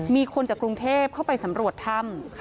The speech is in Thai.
มีคนจากกรุงเทพเข้าไปสำรวจถ้ำ